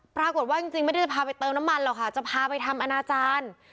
ปรากฏว่าจริงไม่ได้จะพาไปเติมน้ำมันหรอกค่ะจะพาไปทำอนาจารย์